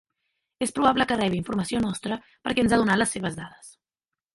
És probable que rebi informació nostra perquè ens ha donat les seves dades.